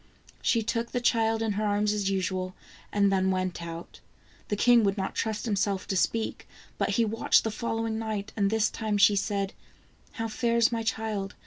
She took the child in her arms as usual, and then went out. The king would not trust himself to speak, but he watched the following night, and this time she said :" How fares my child